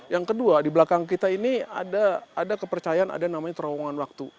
yang kedua di belakang kita ini ada kepercayaan ada namanya terowongan waktu